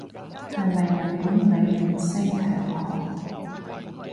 係咪日本女明星強項